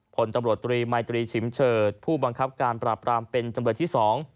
ผลตำรวจตรีมายตรีชิมเฉิดผู้บังคับการปราบรามเป็นจำเลยที่๒